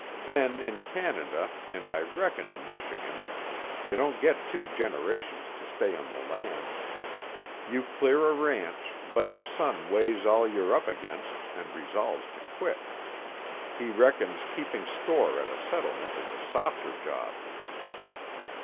Then in Canada, and I reckon in Michigan, you don't get two generations to stay on the land. You clear a ranch, but your son weighs all you're up against and resolves to quit. He reckons keeping store at a settlement is a softer job."